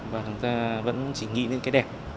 và chúng ta vẫn chỉ nghĩ đến cái đẹp